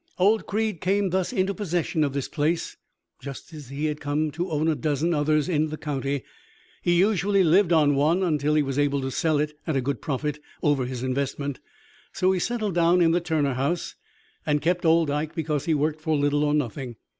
"Old Creed came thus into possession of this place, just as he had come to own a dozen others in the county. He usually lived on one until he was able to sell it at a good profit over his investment; so he settled down in the Turner house, and kept old Ike because he worked for little or nothing.